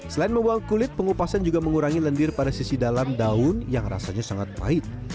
selain membuang kulit pengupasan juga mengurangi lendir pada sisi dalam daun yang rasanya sangat pahit